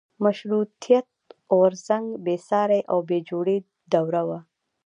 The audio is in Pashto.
مشروطیت غورځنګ بېسارې او بې جوړې دوره وه.